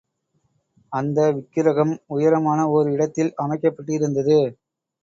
அந்த விக்கிரகம் உயரமான ஓர் இடத்தில் அமைக்கப்பட்டிருந்தது.